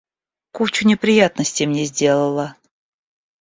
Кучу неприятностей мне сделала.